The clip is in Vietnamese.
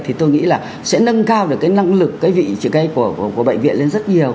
thì tôi nghĩ là sẽ nâng cao được cái năng lực cái vị trí cây của bệnh viện lên rất nhiều